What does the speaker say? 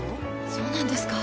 そうなんですか？